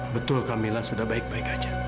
betul kamila sudah baik baik aja